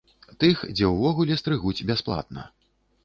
Тых, дзе ўвогуле стрыгуць бясплатна.